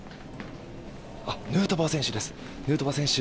ヌートバー選手です。